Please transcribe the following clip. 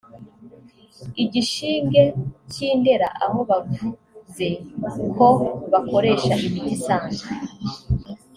Igishinge cy’I Ndera”aho bavuze ko bakoresha imiti isanzwe